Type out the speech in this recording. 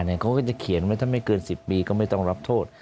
เขาก็จะเขียนไว้ถ้าไม่เกิน๑๐ปีก็ไม่ต้องรับโทษ